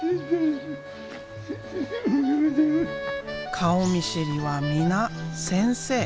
顔見知りは皆先生。